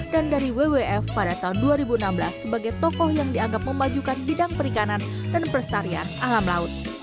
dan dari wwf pada tahun dua ribu enam belas sebagai tokoh yang dianggap memajukan bidang perikanan dan perestarian alam laut